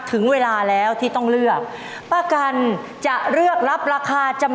ถึงเวลาแล้วที่ต้องเลือก